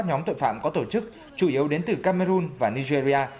nhóm tội phạm có tổ chức chủ yếu đến từ cameroon và nigeria